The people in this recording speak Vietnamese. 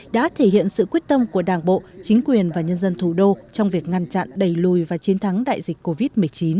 đã thể hiện sự quyết tâm của đảng bộ chính quyền và nhân dân thủ đô trong việc ngăn chặn đẩy lùi và chiến thắng đại dịch covid một mươi chín